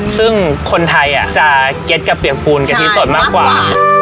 ซึ่งคนไทยจะเก็ตกับเปียกปูนกะทิสดมากกว่า